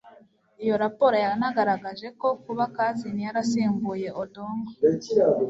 iyo raporo yanagaragaje ko kuba kazini yarasimbuye odongo